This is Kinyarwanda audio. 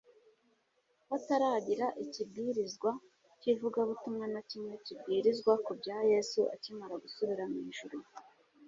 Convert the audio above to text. hataragira ikibwirizwa cy'ivugabutumwa na kimwe kibwirizwa ku bya Yesu akimara gusubira mu ijuru.